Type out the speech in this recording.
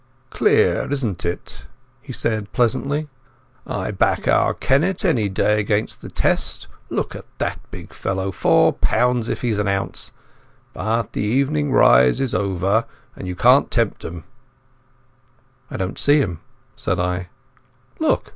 "Clear, isn't it?" he said pleasantly. "I back our Kennet any day against the Test. Look at that big fellow. Four pounds if he's an ounce. But the evening rise is over and you can't tempt 'em." "I don't see him," said I. "Look!